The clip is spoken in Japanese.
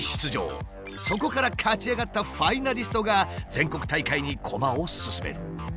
そこから勝ち上がったファイナリストが全国大会に駒を進める。